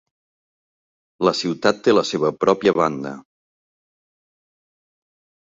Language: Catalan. La ciutat té la seva pròpia banda.